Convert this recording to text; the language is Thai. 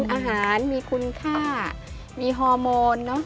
อาหารมีคุณค่ามีฮอร์โมนเนอะ